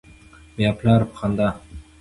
بیا پلار په خندا